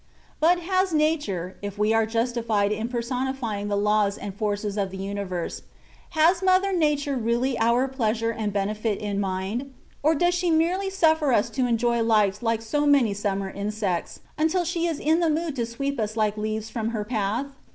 But has Nature, if we are justified in personifying the laws and forces of the universe, has mother Nature really our pleasure and benefit in mind, or does she merely suffer us to enjoy life like so many summer insects, until she is in the mood to sweep us like leaves from her path?